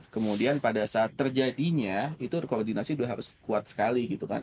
kemudian pada saat terjadinya itu koordinasi sudah harus kuat sekali gitu kan